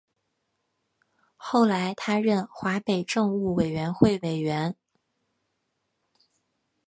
后来他任华北政务委员会委员。